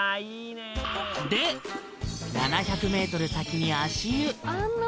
７００ｍ先に足湯